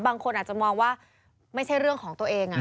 บางคนอาจจะมองว่าไม่ใช่เรื่องของตัวเอง